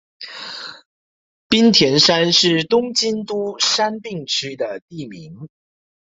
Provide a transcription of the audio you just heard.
滨田山是东京都杉并区的地名。